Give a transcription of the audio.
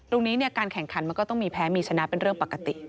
ตรงนี้การแข่งขันมันก็ต้องมีแพ้มีชนะเป็นเรื่องปกติ